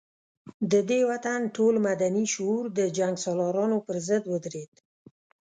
د دې وطن ټول مدني شعور د جنګ سالارانو پر ضد ودرېد.